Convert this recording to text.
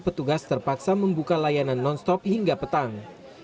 petugas terpaksa membuka layanan non stop hingga petang